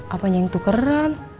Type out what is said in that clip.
apanya yang tukeran